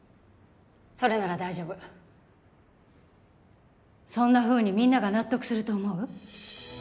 それなら大丈夫そんなふうにみんなが納得すると思う？